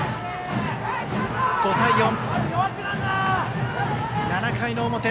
５対４、７回の表。